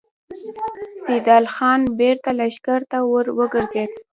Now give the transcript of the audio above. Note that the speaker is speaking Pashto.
سيدال خان بېرته لښکر ته ور وګرځېد.